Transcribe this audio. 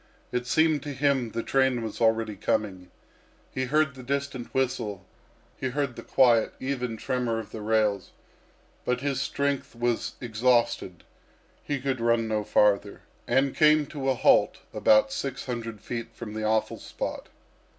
It seemed to him the train was already coming. He heard the distant whistle; he heard the quiet, even tremor of the rails; but his strength was exhausted, he could run no farther, and came to a halt about six hundred feet from the awful spot.